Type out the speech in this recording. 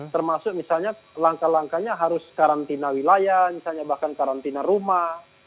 termasuk misalnya langkah langkahnya harus karantina wilayah misalnya bahkan karantina rumah